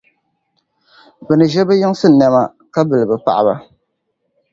bɛ ni ʒe bɛ yinsi nɛma, ka bili bɛ paɣiba.